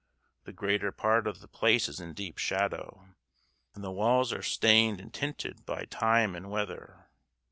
The greater part of the place is in deep shadow, and the walls are stained and tinted by time and weather.